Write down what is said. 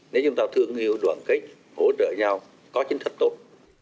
nếu chúng ta thương hiểu đoạn kết hỗ trợ nhau có chính thức tốt